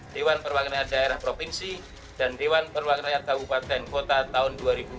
dewan perwakilan daerah provinsi dan dewan perwakilan rakyat kabupaten kota tahun dua ribu empat belas